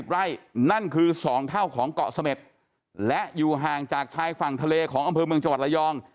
ไร่นั่นคือ๒เท่าของเกาะเสม็ดและอยู่ห่างจากชายฝั่งทะเลของอำเภอเมืองจังหวัดระยอง